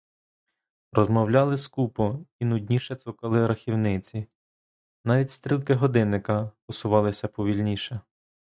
Розмовляли скупо, і нудніше цокали рахівниці; навіть стрілки годинника посувалися повільніше.